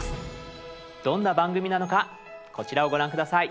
どんな番組なのかこちらをご覧下さい。